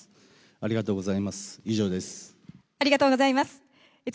ありがとうございます。